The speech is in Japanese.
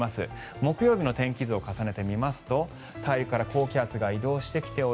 木曜日の天気図を重ねると大陸から高気圧が移動してきており